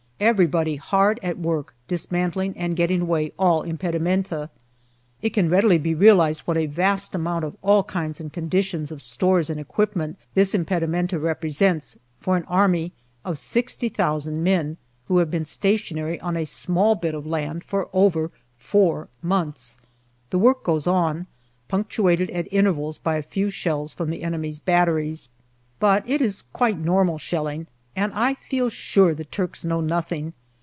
Everybody hard at work, dismantling and getting away all impedimenta. It can readily be realized what a vast amount of all kinds and conditions of stores and equipment this impedimenta represents for an army of 60,000 men who have been stationary on a small bit of land for over four months. The work goes on, punctuated at intervals by a few shells from the enemy's batteries ; but it is quite normal shelling, and I feel sure the Turks know nothing.